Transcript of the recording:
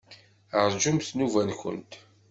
Rjumt nnuba-nkent.